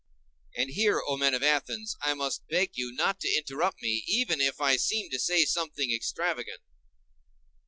And here, O men of Athens, I must beg you not to interrupt me, even if I seem to say something extravagant.